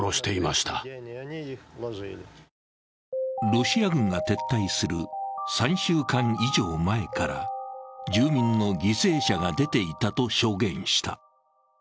ロシア軍が撤退する３週間以上前から住民の犠牲者が出ていたと証言した。